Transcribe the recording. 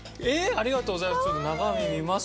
ありがとうございます。